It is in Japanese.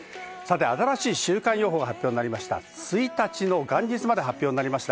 新しい週間予報が発表になりました。